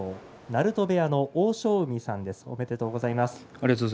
鳴戸部屋の欧勝海さんですおめでとうございます。